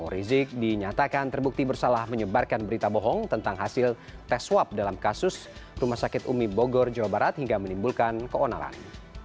rizik dinyatakan terbukti bersalah menyebarkan berita bohong tentang hasil tes swab dalam kasus rumah sakit umi bogor jawa barat hingga menimbulkan keonaran